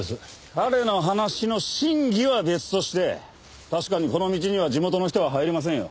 彼の話の真偽は別として確かにこの道には地元の人は入りませんよ。